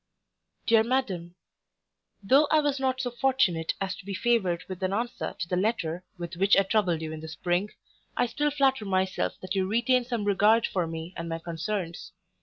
DEAR MADAM, Though I was not so fortunate as to be favoured with an answer to the letter with which I troubled you in the spring, I still flatter myself that you retain some regard for me and my concerns.